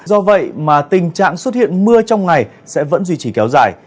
do vậy mà tình trạng xuất hiện mưa trong ngày sẽ vẫn duy trì kéo dài